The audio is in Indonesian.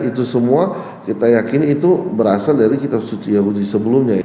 itu semua kita yakini itu berasal dari kitab suci yahudi sebelumnya